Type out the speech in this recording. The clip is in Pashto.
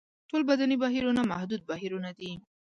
ټول بدني بهیرونه محدود بهیرونه دي.